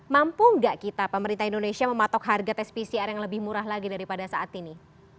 mampu nggak kita pemerintah indonesia mematok harga tes pcr yang lebih murah lagi daripada saat ini